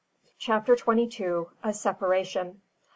CHAPTER TWENTY TWO. A SEPARATION.